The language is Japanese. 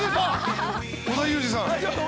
織田裕二さん。